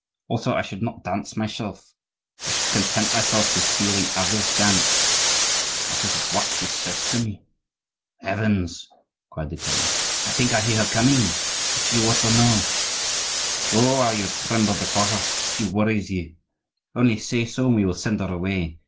Also I should not dance myself, I should content myself with seeing others dance.'—that is what she says to me—" "Heavens!" cried the king, "I think I hear her coming. If she were to know—" "Oh, how you tremble before her. She worries you. Only say so, and we will send her away.